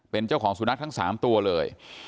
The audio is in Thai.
เป็นเจ้าของสุนัขทั้ง๓ตัวเลย